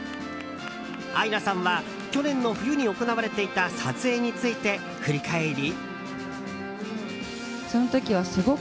アイナさんは去年の冬に行われていた撮影について振り返り。